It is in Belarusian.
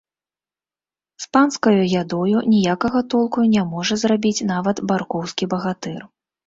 З панскаю ядою ніякага толку не можа зрабіць нават баркоўскі багатыр.